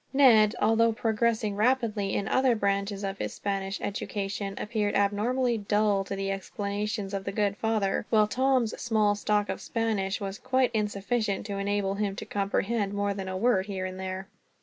Ned, although progressing rapidly in other branches of his Spanish education, appeared abnormally dull to the explanations of the good father; while Tom's small stock of Spanish was quite insufficient to enable him to comprehend more than a word, here and there.